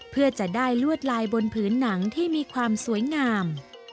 เพื่อจะได้ลวดลายบนผืนหนังที่มีความสวยงาม